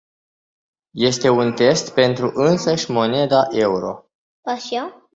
Este un test pentru însăși moneda euro.